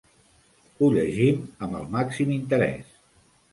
Ho llegim amb el màxim interès.